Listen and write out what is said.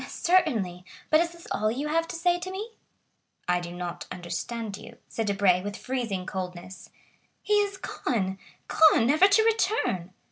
"Certainly; but is this all you have to say to me?" "I do not understand you," said Debray with freezing coldness. "He is gone! Gone, never to return!"